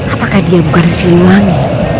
apakah dia bukan siluani